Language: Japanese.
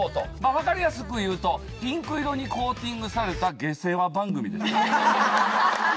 分かりやすく言うとピンク色にコーティングされた。